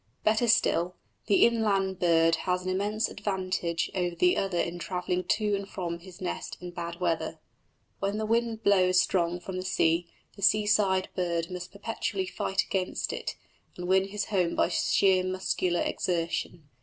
Better still, the inland bird has an immense advantage over the other in travelling to and from his nest in bad weather. When the wind blows strong from the sea the seaside bird must perpetually fight against it and win his home by sheer muscular exertion.